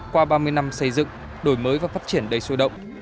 qua ba mươi năm xây dựng đổi mới và phát triển đầy sôi động